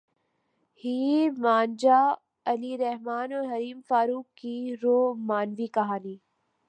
ہیر مان جا علی رحمن اور حریم فاروق کی رومانوی کہانی